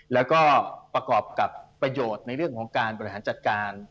แล้วก็ประกอบกับประโยชน์ในเรื่องของการบริหารจัดการ